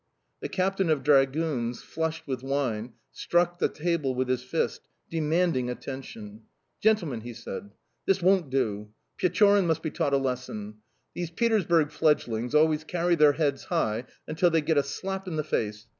The captain of dragoons, flushed with wine, struck the table with his fist, demanding attention. "Gentlemen!" he said, "this won't do! Pechorin must be taught a lesson! These Petersburg fledglings always carry their heads high until they get a slap in the face!